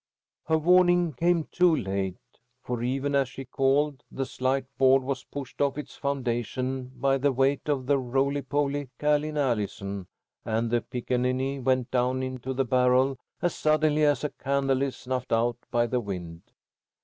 Her warning came too late, for even as she called the slight board was pushed off its foundations by the weight of the roly poly Ca'line Allison, and the pickaninny went down into the barrel as suddenly as a candle is snuffed out by the wind.